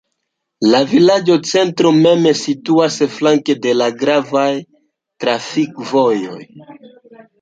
La vilaĝocentro mem situas flanke de la gravaj trafikvojoj.